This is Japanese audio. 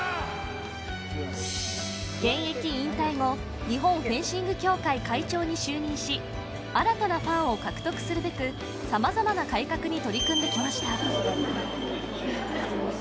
現役引退後日本フェンシング協会会長に就任し新たなファンを獲得するべく様々な改革に取り組んできました